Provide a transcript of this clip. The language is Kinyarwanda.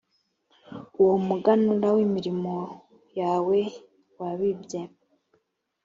uwomuganura w imirimo yawe wabibye